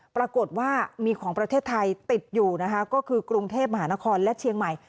ปรากฏว่ามีของประเทศไทยติดอยู่นะคะก็คือกรุงเทพมหานครและเชียงใหม่